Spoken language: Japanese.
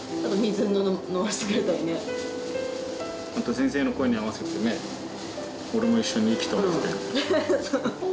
先生の声に合わせてね俺も一緒に息止めてたよ。